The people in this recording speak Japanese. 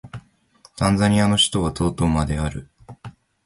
タンザニアの首都はドドマである